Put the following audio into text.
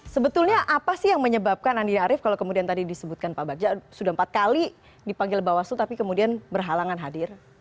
sebetulnya apa sih yang menyebabkan andi arief kalau kemudian tadi disebutkan pak bagja sudah empat kali dipanggil bawaslu tapi kemudian berhalangan hadir